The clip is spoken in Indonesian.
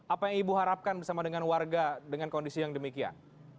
apa yang ibu harapkan bersama dengan warga dengan kondisi yang demikian